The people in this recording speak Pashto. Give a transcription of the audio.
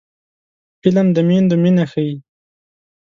فلم د میندو مینه ښيي